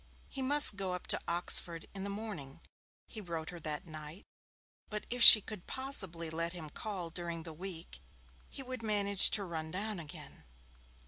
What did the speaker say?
He must go up to Oxford in the morning, he wrote her that night, but if she could possibly let him call during the week he would manage to run down again.